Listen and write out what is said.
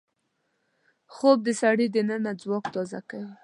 خوب د سړي دننه ځواک تازه کوي